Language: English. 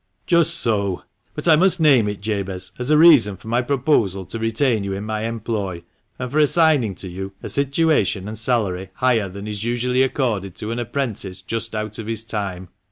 " Just so ! but I must name it, Jabez, as a reason for my proposal to retain you in my employ, and for assigning to you a situation and salary higher than is usually accorded to an apprentice just out of his time.